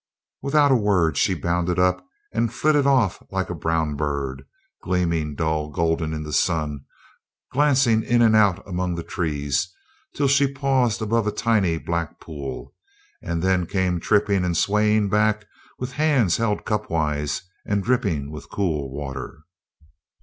Without a word, she bounded up and flitted off like a brown bird, gleaming dull golden in the sun, glancing in and out among the trees, till she paused above a tiny black pool, and then came tripping and swaying back with hands held cupwise and dripping with cool water.